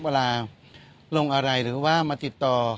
เวลาลงอะไรหรือว่ามาติดต่อ